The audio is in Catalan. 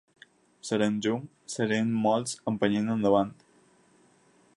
Serem llum, serem molts empenyent endavant.